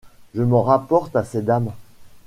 Je m’en rapporte à ces dames.